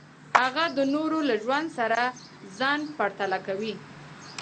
هغه د نورو له ژوند سره ځان پرتله کوي.